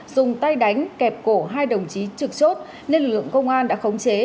dùng tay đánh kẹp cổ hai đồng chí trực chốt nên lực lượng công an đã khống chế